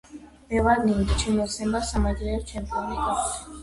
მე ვარ ნინი და ჩემი ოცნებაა სამეგრელოს ჩემპიონი გავხდე